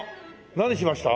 何しました？